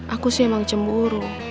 aku sih emang cemburu